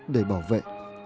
để bảo vệ